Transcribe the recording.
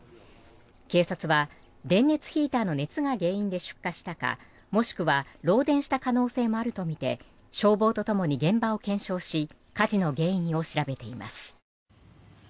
警察は電熱ヒーターの熱が原因で出火したかもしくは漏電した可能性もあるとみて消防とともに現場を検証し火事の原因を調べています。